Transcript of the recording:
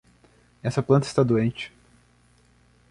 Essa planta está doente.